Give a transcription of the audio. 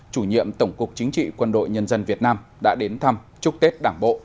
chủ nhiệm tổng cục chính trị quân đội nhân dân việt nam đã đến thăm chúc tết đảng bộ